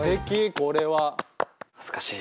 これは。恥ずかしい。